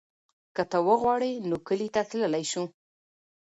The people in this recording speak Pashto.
که ته وغواړې نو کلي ته تللی شو.